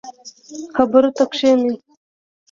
خبرو ته کښیني.